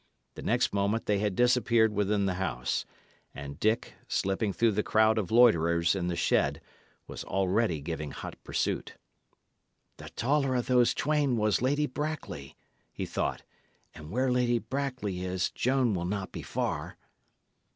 The next moment they had disappeared within the house; and Dick, slipping through the crowd of loiterers in the shed, was already giving hot pursuit. "The taller of these twain was Lady Brackley," he thought; "and where Lady Brackley is, Joan will not be far."